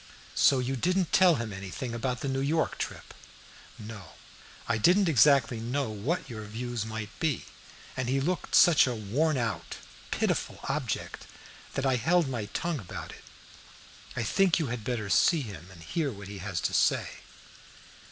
"So you didn't tell him anything about the New York trip?" "No, I didn't exactly know what your views might be, and he looked such a worn out, pitiful object that I held my tongue about it. I think you had better see him and hear what he has to say."